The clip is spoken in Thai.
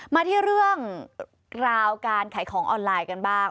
มาที่เรื่องราวการขายของออนไลน์กันบ้าง